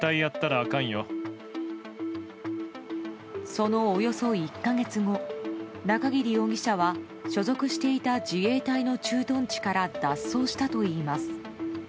そのおよそ１か月後中桐容疑者は所属していた自衛隊の駐屯地から脱走したといいます。